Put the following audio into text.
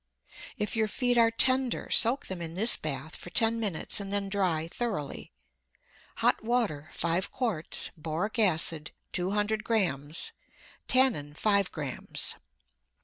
If your feet are tender, soak them in this bath for ten minutes, and then dry thoroughly: Hot water, five quarts; boric acid, 200 grams; tannin, five grams.